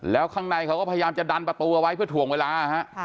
แล้วข้างในเขาก็พยายามจะดันประตูเอาไว้เพื่อถ่วงเวลา